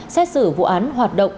xét xử vụ án hoạt động